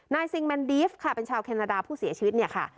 ซิงแมนดีฟค่ะเป็นชาวแคนาดาผู้เสียชีวิตเนี่ยค่ะ